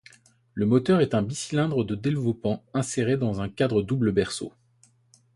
Le moteur est un bicylindre de développant inséré dans un cadre double berceau.